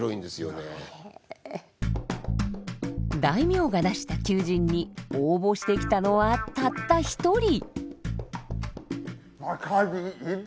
大名が出した求人に応募してきたのはたった一人。